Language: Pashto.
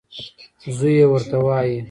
زوی یې ورته وايي: